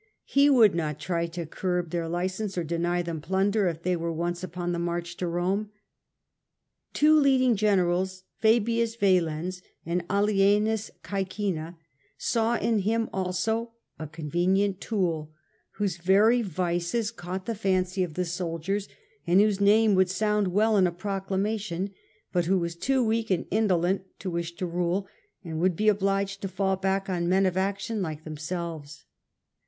He would not try to curb theii license or deny them plunder if they were once upon the march to Rome. Two leading generals, Fabius Valens and Alienus Caecina, saw in him also a convenient tool, whose very vices caught the fancy of the soldiers, and whose name would sound well in a proclamation, but who was too weak and indolent to wish to rule, and would be obliged to fall back on men of action like themselves.